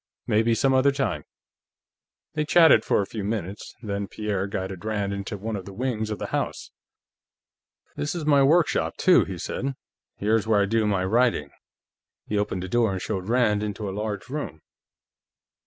Maybe some other time." They chatted for a few minutes, then Pierre guided Rand into one of the wings of the house. "This is my workshop, too," he said. "Here's where I do my writing." He opened a door and showed Rand into a large room.